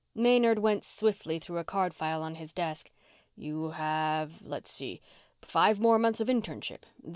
Maynard went swiftly through a card file on his desk. "You have let's see five more months of internship.